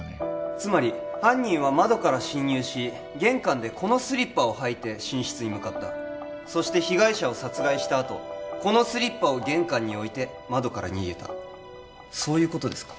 つまり犯人は窓から侵入し玄関でこのスリッパを履いて寝室に向かったそして被害者を殺害したあとこのスリッパを玄関に置いて窓から逃げたそういうことですか？